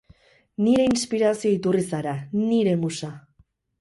Nire inspirazio iturri zara, nire musa!